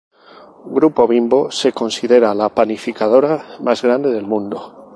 Grupo Bimbo se considera la panificadora más grande del mundo.